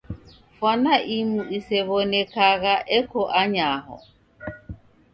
Fwana imu isew'onekagha eko anyaho.